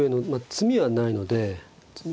詰みはないから。